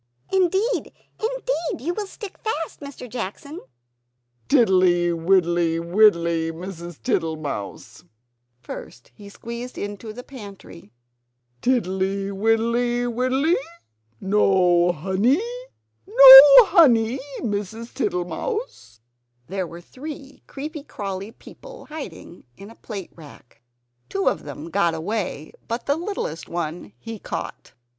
"Indeed, indeed, you will stick fast, Mr. Jackson!" "Tiddly, widdly, widdly, Mrs. Tittlemouse!" First he squeezed into the pantry. "Tiddly, widdly, widdly? No honey? No honey, Mrs. Tittlemouse?" There were three creepy crawly people hiding in the plate rack. Two of them got away; but the littlest one he caught.